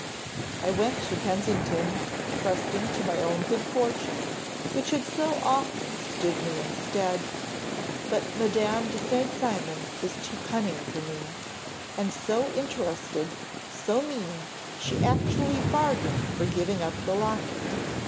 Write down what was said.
"I went to Kensington, trusting to my own good fortune, which had so often stood me in stead; but Madame de St. Cymon was too cunning for me, and so interested, so mean, she actually bargained for giving up the locket.